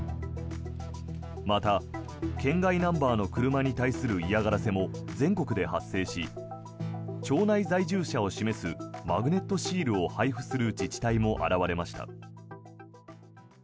また、県外ナンバーの車に対する嫌がらせも全国で発生し町内在住者を示すマグネットシールを配布する自治体も現れました。